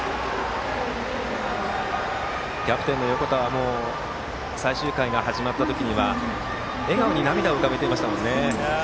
キャプテンの横田は最終回が始まった時には笑顔に涙を浮かべていましたもんね。